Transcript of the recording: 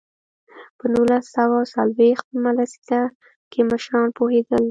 په نولس سوه څلوېښت مه لسیزه کې مشران پوهېدل.